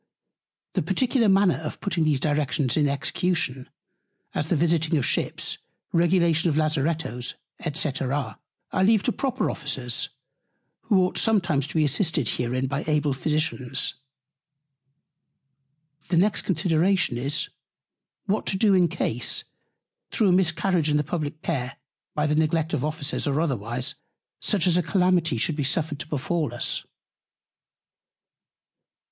The particular Manner of putting these Directions in Execution, as the Visiting of Ships, Regulation of Lazarettos, &c. I leave to proper Officers, who ought sometimes to be assisted herein by able Physicians. The next Consideration is, What to do in Case, through a Miscarriage in the publick Care, by the Neglect of Officers, or otherwise, such a Calamity should be suffered to befall us.